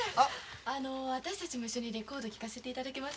あの私たちも一緒にレコード聴かせて頂けます？